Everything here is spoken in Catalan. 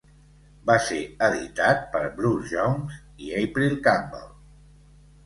Va ser editat per Bruce Jones i April Campbell.